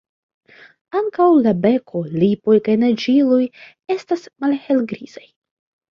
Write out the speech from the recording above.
Ankaŭ la beko, lipoj kaj naĝiloj estas malhelgrizaj.